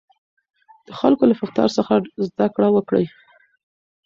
د خلکو له رفتار څخه زده کړه وکړئ.